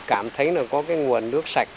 cảm thấy là có cái nguồn nước sạch